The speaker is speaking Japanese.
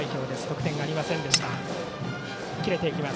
得点はありませんでした。